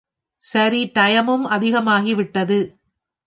சரி டயமும் அதிகமாகிவிட்டது.